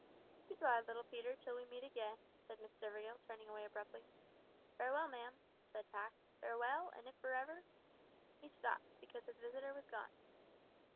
"Good bye, little Peter, till we meet again," said Miss Stivergill, turning away abruptly. "Farewell, ma'am," said Pax, "farewell; and if for ever " He stopped, because his visitor was gone.